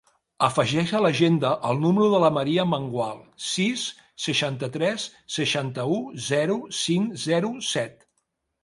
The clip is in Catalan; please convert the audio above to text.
Afegeix a l'agenda el número de la Maria Amengual: sis, seixanta-tres, seixanta-u, zero, cinc, zero, set.